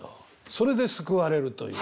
それで救われるという？